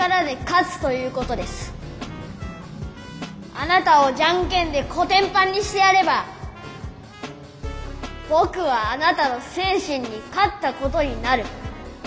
あなたを「ジャンケン」でコテンパンにしてやればぼくはあなたの「精神」に勝ったことになるッ！